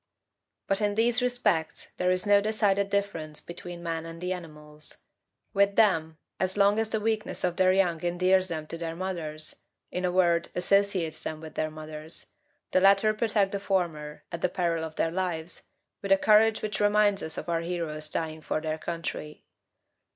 But in these respects there is no decided difference between man and the animals. With them, as long as the weakness of their young endears them to their mothers, in a word, associates them with their mothers, the latter protect the former, at the peril of their lives, with a courage which reminds us of our heroes dying for their country.